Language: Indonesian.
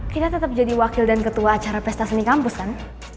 kita tetap jadi wakil dan ketua acara pesta seni kampus kan